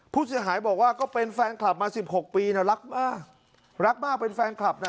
ผู้เสียหายบอกว่าก็เป็นแฟนคลับมาสิบหกปีน่ะรักมากรักมากเป็นแฟนคลับน่ะ